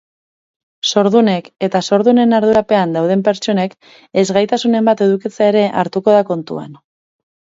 Zordunek edo zordunen ardurapean dauden pertsonek ezgaitasunen bat edukitzea ere hartuko da kontuan.